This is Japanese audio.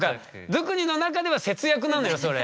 ドゥクニの中では節約なのよそれ。